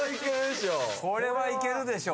これはいけるでしょ。